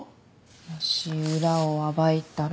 もし裏を暴いたら。